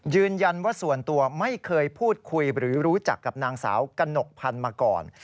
ยืนยันว่าส่วนตัวไม่เคยพูดคุยหรือรู้จักกับนางสาวกระหนกพันธุ์มาก่อน